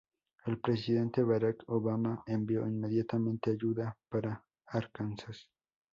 El Presidente Barack Obama envió inmediatamente ayuda para Arkansas.